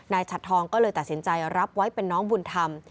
ฉัดทองก็เลยตัดสินใจรับไว้เป็นน้องบุญธรรม